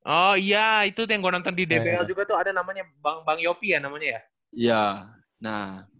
oh iya itu yang gue nonton di dpl juga tuh ada namanya bang yopi ya namanya ya